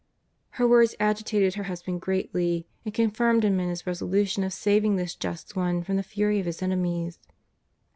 Her words agitated her husband greatly, and con firmed him in his resolution of saving this Just One from the fury of His enemies.